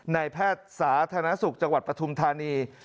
ในแพทย์สาธารณสุขจังหวัดปฐุมธานี